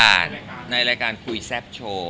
ใช่ค่ะในรายการคุยแซ่บโชว์